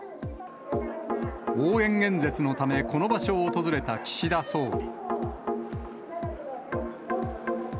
応援演説のため、この場所を訪れた岸田総理。